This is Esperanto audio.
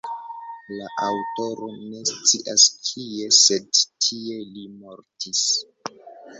La aŭtoro ne scias kie, sed tie li mortis.